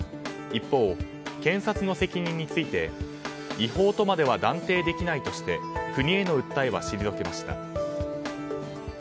一方、検察の責任について違法とまでは断定できないとして国への訴えは退けました。